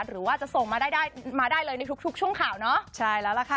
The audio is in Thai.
หรือว่าจะส่งมาได้เลยในทุกช่วงข่าวเนาะ